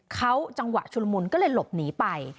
เขาจังหวะชุลมุนก็เลยหลบหนีไป